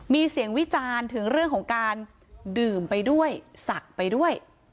มีเสียงวิจารณ์ถึงเรื่องของการดื่มไปด้วยศักดิ์ไปด้วย